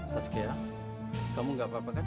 raskiah kamu gak apa apa kan